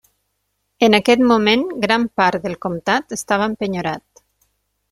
En aquest moment gran part del comtat estava empenyorat.